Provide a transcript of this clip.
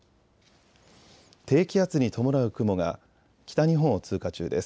低気圧に伴う雲が北日本を通過中です。